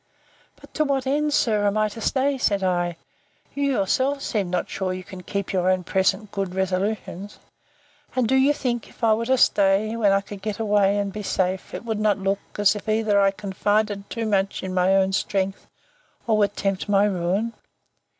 But to what end, sir, am I to stay? said I: You yourself seem not sure you can keep your own present good resolutions; and do you think, if I was to stay, when I could get away, and be safe, it would not look, as if either I confided too much in my own strength, or would tempt my ruin?